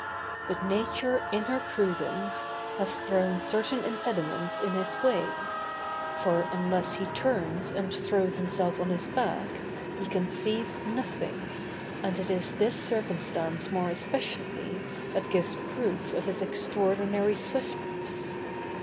But Nature, in her prudence, has thrown certain impediments in his way; for, unless he turns and throws himself on his back, he can seize nothing, and it is this circumstance more especially that gives proof of his extraordinary swiftness.